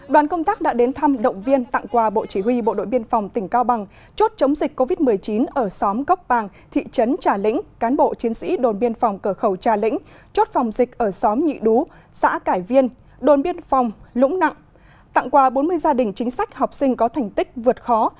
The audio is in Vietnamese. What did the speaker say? đoàn công tác đã đến thăm động viên tặng quà bộ chỉ huy bộ đội biên phòng tỉnh cao bằng chốt chống dịch covid một mươi chín ở xóm góc bàng thị trấn trà lĩnh cán bộ chiến sĩ đồn biên phòng cờ khẩu trà lĩnh chốt phòng dịch ở xóm nhị đú xã cải viên đồn biên phòng lũng nặng tặng quà bốn mươi gia đình chính sách học sinh có thành tích vượt khó